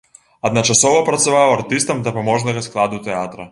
Адначасова працаваў артыстам дапаможнага складу тэатра.